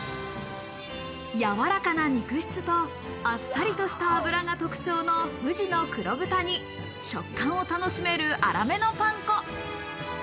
やわらかな肉質とあっさりとした脂が特徴の富士の黒豚に食感を楽しめる粗めのパン粉。